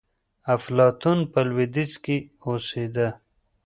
افلاطون په لوېدیځ کي اوسېده.